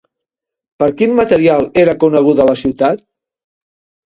Per quin material era coneguda la ciutat?